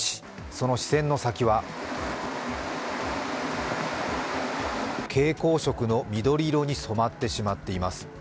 その視線の先は蛍光色の緑色に染まってしまっています。